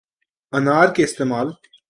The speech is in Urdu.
انار کے استعمال